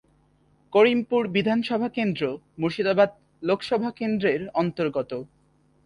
করিমপুর বিধানসভা কেন্দ্র মুর্শিদাবাদ লোকসভা কেন্দ্রের অন্তর্গত।